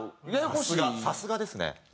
さすがですね！